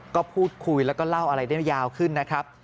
ก็พูดคุยแล้วก็เล่าอะไรได้ไม่ยาวขึ้นนะครับ